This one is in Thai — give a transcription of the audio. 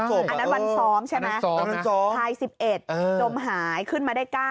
อันนั้นวันซ้อมใช่ไหมพาย๑๑จมหายขึ้นมาได้๙